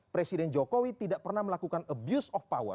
presiden jokowi tidak pernah melakukan abuse of power